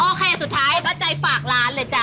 โอเคสุดท้ายป้าใจฝากร้านเลยจ้